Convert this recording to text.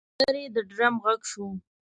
لرې د ډرم غږ شو.